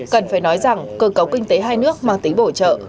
cần phải nói rằng cơ cấu kinh tế hai nước mang tính bổ trợ